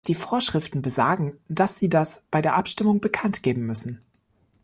Die Vorschriften besagen, dass Sie das bei der Abstimmung bekanntgeben müssen.